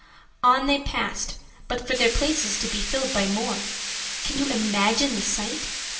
On they passed, but for their places to be filled by more. Can you imagine the sight?